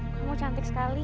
kamu cantik sekali